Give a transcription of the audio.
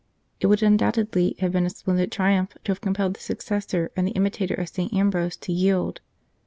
It would undoubtedly have been a splendid triumph to have compelled the successor and the imitator of St. Ambrose to yield.